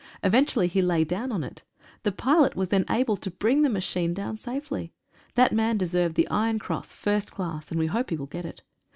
Eventually he lay down on it. The pilot was then able to bring the machine down safely. That man deserved the Iron Cross, First Class, and we hope he will get it.